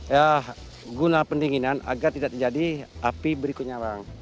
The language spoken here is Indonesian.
ya guna pendinginan agar tidak terjadi api berikutnya bang